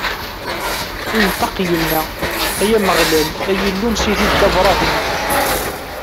Inṭeq, inna: Ay Ameɣlal, ay Illu n sidi Dda Bṛahim!